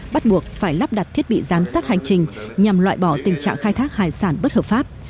bắt buộc phải lắp đặt thiết bị giám sát hành trình nhằm loại bỏ tình trạng khai thác hải sản bất hợp pháp